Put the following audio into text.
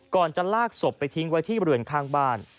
จะลากศพไปทิ้งไว้ที่บริเวณข้างบ้าน